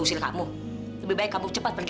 usil kamu lebih baik kamu cepat pergi